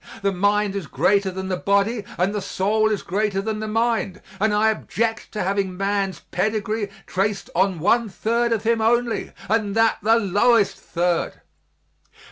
The mind is greater than the body and the soul is greater than the mind, and I object to having man's pedigree traced on one third of him only and that the lowest third.